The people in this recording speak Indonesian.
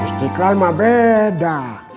istiqlal mah beda